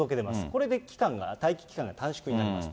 これで待機期間が短縮になります。